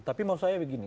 tapi maksud saya begini